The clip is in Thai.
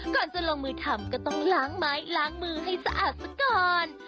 ก่อนจะลงมือทำก็ต้องล้างไม้ล้างมือให้สะอาดซะก่อน